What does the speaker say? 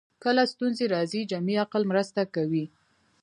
کله ستونزې راځي جمعي عقل مرسته کوي